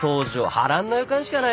波乱の予感しかないだろ。